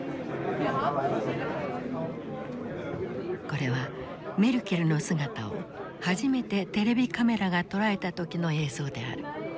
これはメルケルの姿を初めてテレビカメラが捉えた時の映像である。